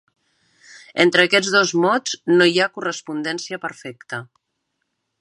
Entre aquests dos mots no hi ha correspondència perfecta.